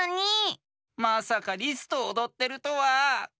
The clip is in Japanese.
まさかリスとおどってるとは！